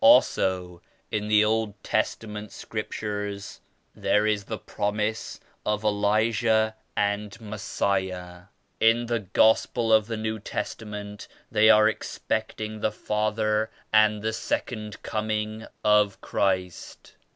Also in the Old Testament Scriptures there is the prom ise of Elijah and Messiah. In the Gospel of the New Testament they are expecting the Father and the Second Coming of Christ.